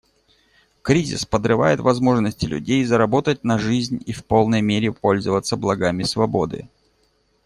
Кризис подрывает возможности людей заработать на жизнь и в полной мере пользоваться благами свободы.